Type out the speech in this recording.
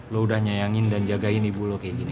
lu udah nyayangin dan jagain ibu lu kayak gini